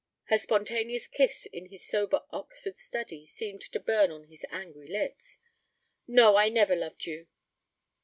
Her spontaneous kiss in his sober Oxford study seemed to burn on his angry lips. 'No, I never loved you.'